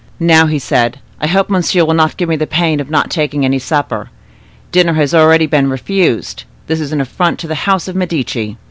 "Now," said he, "I hope monsieur will not give me the pain of not taking any supper. Dinner has already been refused; this is affronting to the house of les Medici.